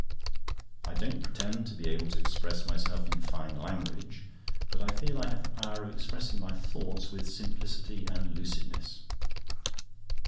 I don't pretend to be able to express myself in fine language, but I feel I have the power of expressing my thoughts with simplicity and lucidness.